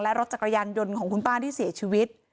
และรถจักรยานยนต์ของคุณป้าที่เสียชีวิต